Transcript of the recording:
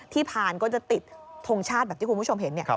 ผ่านก็จะติดทงชาติแบบที่คุณผู้ชมเห็น